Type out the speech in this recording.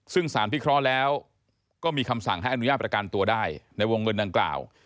ซึ่งสารพิเคราะห์แล้วก็มีคำสั่งให้อนุญาตประกันตัวได้ในวงเงินดังกล่าว